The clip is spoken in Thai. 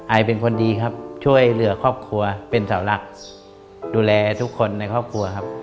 ไอเป็นคนดีครับช่วยเหลือครอบครัวเป็นเสาหลักดูแลทุกคนในครอบครัวครับ